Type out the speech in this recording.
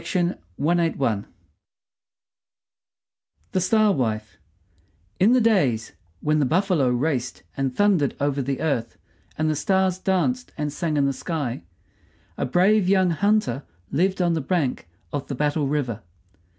THE STAR WIFE In the days when the buffalo raced and thundered over the earth and the stars danced and sang in the sky, a brave young hunter lived on the bank of Battle River.